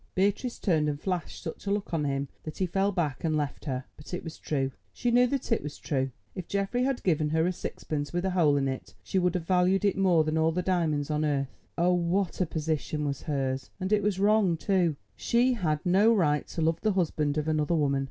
Beatrice turned and flashed such a look on him that he fell back and left her. But it was true, and she knew that it was true. If Geoffrey had given her a sixpence with a hole in it, she would have valued it more than all the diamonds on earth. Oh! what a position was hers. And it was wrong, too. She had no right to love the husband of another woman.